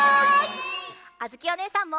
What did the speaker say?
あづきおねえさんも！